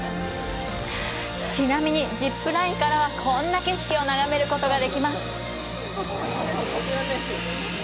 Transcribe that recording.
ちなみに、ジップラインからはこんな景色を眺めることができます。